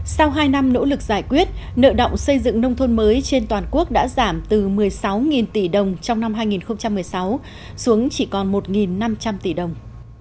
sau hai năm nỗ lực giải quyết nợ động xây dựng nông thôn mới trên toàn quốc đã giảm từ một mươi sáu tỷ đồng trong năm hai nghìn một mươi sáu xuống chỉ còn một năm trăm linh tỷ đồng